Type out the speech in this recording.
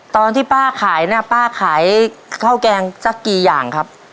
ตอนที่ป้าขายน่ะป้าขายข้าวแกงสักกี่อย่างครับ